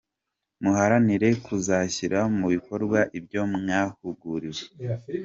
Muharanire kuzashyira mu bikorwa ibyo mwahuguriwe”.